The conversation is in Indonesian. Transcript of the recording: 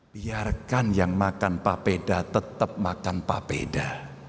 biarkan yang makan papeda tetap makan papeda